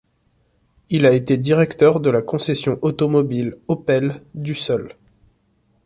Il a été directeur de la concession automobile Opel d'Ussel.